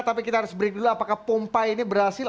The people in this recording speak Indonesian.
tapi kita harus break dulu apakah pompa ini berhasil